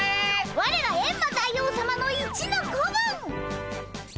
ワレらエンマ大王さまの一の子分！